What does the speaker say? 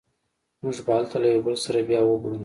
موږ به هلته له یو بل سره بیا وګورو